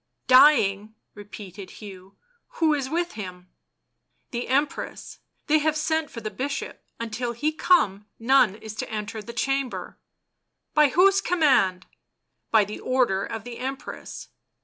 " Dying!" repeated Hugh. " Who is with him?" " The Empress ; they have sent for the bishop ... until he come none is to enter the chamber." " By whose command?" " By order of the Empress."